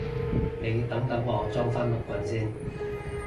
你等等我裝返碌棍先